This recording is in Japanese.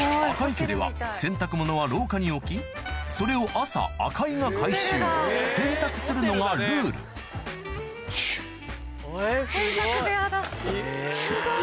家では洗濯物は廊下に置きそれを朝赤井が回収洗濯するのがルールえっすごい。